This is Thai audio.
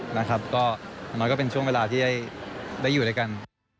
ครั่นอะน้อยก็เป็นช่วงเวลาที่จะได้อยู่ด้วยกัน